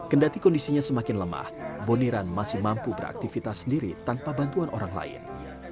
kendati kondisinya semakin lemah boniran masih mampu beraktivitas sendiri tanpa bantuan orang lain